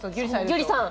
ギュリさん。